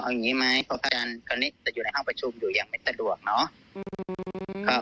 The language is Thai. เอางี้ไหมพ่อผ้าจันครันนี้จะอยู่ในห้องประชุมอยู่อย่างไม่สะดวกเนาะ